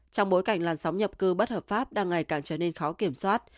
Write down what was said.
trong bối cảnh làn sóng nhập cư bất hợp pháp đang ngày càng trở nên khó kiểm soát